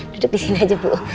duduk disini aja bu